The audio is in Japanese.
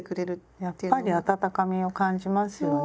やっぱり温かみを感じますよね。